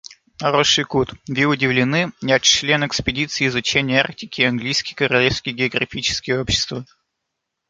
Хорош якут. Ви удивлены? Я чшлен экспедиции изучений Арктики Английски королевски географически общества.